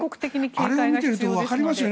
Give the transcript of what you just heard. あれを見てるとわかりますよね。